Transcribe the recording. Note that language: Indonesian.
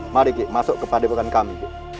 mari ki masuk ke padepukan kami